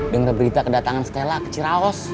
dengar berita kedatangan stella ke ciraos